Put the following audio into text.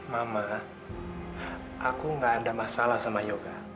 mama aku gak ada masalah sama yoga